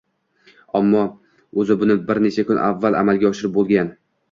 Ammo o'zi buni bir necha kun avval amalga oshirib bo'lgan